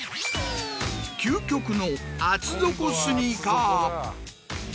究極の厚底スニーカー。